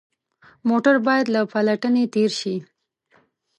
موټر باید له پلټنې تېر شي.